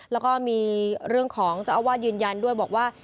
แล้วก็มีเรื่องของเจ้าอาวาสยืนยันด้วยบอกว่า